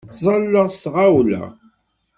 Ttazzaleɣ s tɣawla.